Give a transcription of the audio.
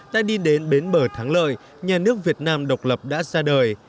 đã đi đến bến bờ thắng lợi nhà nước việt nam độc lập đã ra đời